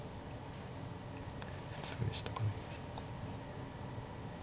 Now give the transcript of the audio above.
普通でしたか。